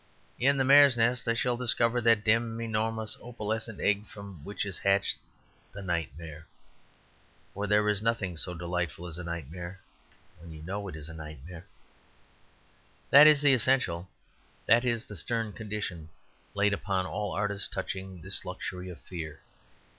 In the Mare's Nest I shall discover that dim, enormous opalescent egg from which is hatched the Nightmare. For there is nothing so delightful as a nightmare when you know it is a nightmare. That is the essential. That is the stern condition laid upon all artists touching this luxury of fear.